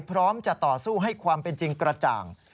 พร้อมจะต่อสู้ให้ความเป็นจริงกระจ่าง